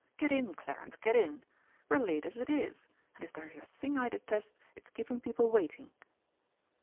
Get in, Clarence, get in! We're late as it is! and if there's a thing I detest, it's keeping people waiting!"